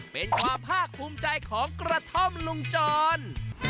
เป็นความภาคภูมิใจของกระท่อมลุงจร